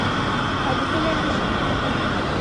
الوتلای نه شي